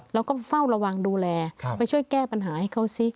เราก็เฝ้าระวังดูแลไปช่วยแก้ปัญหาให้เขาซิ